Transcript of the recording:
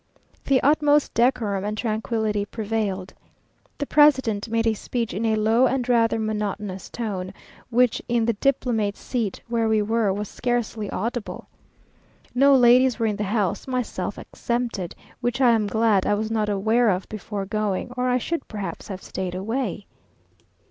The utmost decorum and tranquillity prevailed. The president made a speech in a low and rather monotonous tone, which in the diplomate's seat, where we were, was scarcely audible. No ladies were in the house, myself excepted; which I am glad I was not aware of before going, or I should perhaps have stayed away.